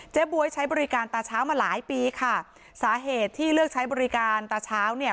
บ๊วยใช้บริการตาเช้ามาหลายปีค่ะสาเหตุที่เลือกใช้บริการตาเช้าเนี่ย